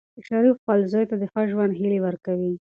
شریف خپل زوی ته د ښه ژوند هیلې ورکوي.